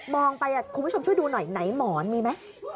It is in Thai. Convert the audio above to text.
ไปคุณผู้ชมช่วยดูหน่อยไหนหมอนมีไหม